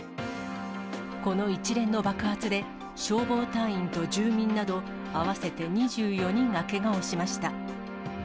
この一連の爆発で、消防隊員と住民など合わせて２４人がけがをしました。